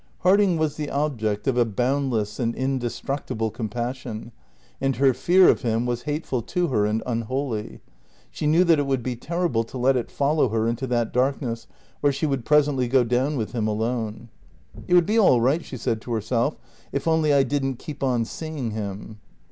Harding was the object of a boundless and indestructible compassion, and her fear of him was hateful to her and unholy. She knew that it would be terrible to let it follow her into that darkness where she would presently go down with him alone. "It would be all right," she said to herself, "if only I didn't keep on seeing him."